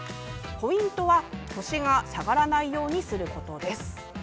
ポイントは腰が下がらないようにすることです。